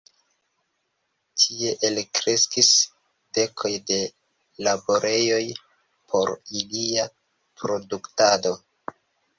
Tie elkreskis dekoj de laborejoj por ilia produktado.